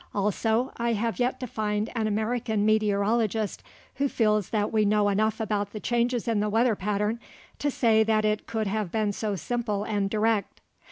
Also, I have yet to find an American meteorologist who feels that we know enough about the changes in the weather pattern to say that it can have been so simple and direct.